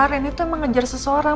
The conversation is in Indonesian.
reina tuh emang ngejar seseorang